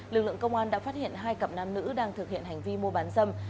lực lượng công an đã phát hiện hai cặp nam nữ đang thực hiện hành vi mua bán dâm